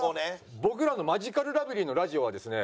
僕らのマヂカルラブリーのラジオはですね